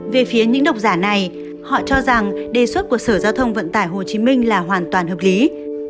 về phía những độc giả này họ cho rằng đề xuất của sở giao thông vận tải hồ chí minh là hoàn toàn hợp lý